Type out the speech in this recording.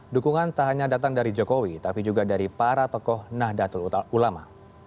dukungan tak hanya datang dari jokowi tapi juga dari para tokoh nahdlatul ulama